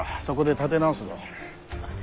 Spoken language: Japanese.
そこで立て直すぞ。